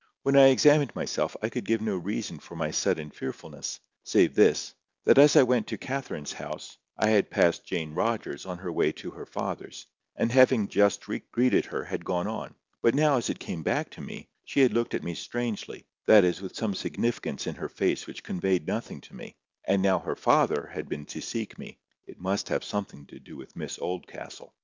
When I examined myself, I could give no reason for my sudden fearfulness, save this: that as I went to Catherine's house, I had passed Jane Rogers on her way to her father's, and having just greeted her, had gone on; but, as it now came back upon me, she had looked at me strangely—that is, with some significance in her face which conveyed nothing to me; and now her father had been to seek me: it must have something to do with Miss Oldcastle.